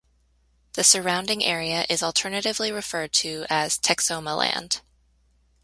The surrounding area is alternatively referred to as Texomaland.